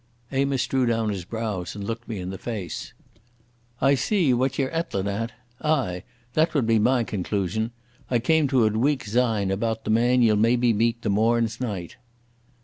Amos drew down his brows and looked me in the face. "I see what ye're ettlin' at. Ay! That would be my conclusion. I came to it weeks syne about the man ye'll maybe meet the morn's night."